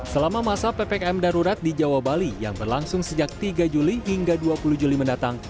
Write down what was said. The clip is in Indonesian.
selama masa ppkm darurat di jawa bali yang berlangsung sejak tiga juli hingga dua puluh juli mendatang